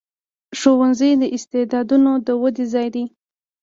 ښوونځی د استعدادونو د ودې ځای دی.